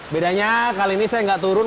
bedanya kali ini saya nggak turun